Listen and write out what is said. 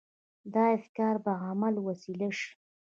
دا افکار به د عمل وسيله شي.